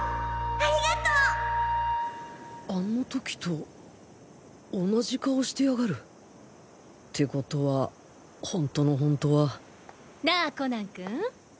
現在あの時と同じ顔してやがるってことはホントのホントはなぁコナン君？